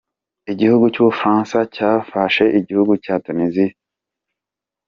Igihugu cy’ubufaransacyafashe igihugu cya Tuniziya.